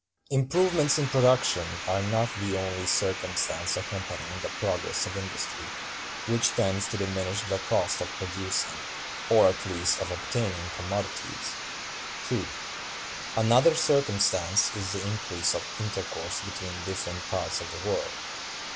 Improvements in production are not the only circumstance accompanying the progress of industry, which tends to diminish the cost of producing, or at least of obtaining, commodities. (2.) Another circumstance is the increase of intercourse between different parts of the world.